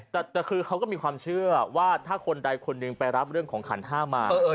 แต่คือเขาก็มีความเชื่อว่าถ้าคนใดคนหนึ่งไปรับเรื่องของขันห้ามา